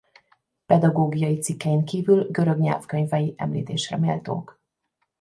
Pedagógiai cikkein kívül görög nyelvkönyvei említésre méltók.